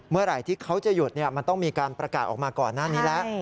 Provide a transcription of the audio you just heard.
เมื่อไหร่ที่เขาจะหยุดมันต้องมีการประกาศออกมาก่อนหน้านี้แล้ว